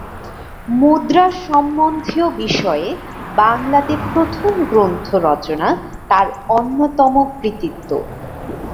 মুদ্রাসম্বন্ধীয় বিষয়ে বাংলাতে প্রথম গ্রন্থ রচনা তার অন্যতম কৃতিত্ব।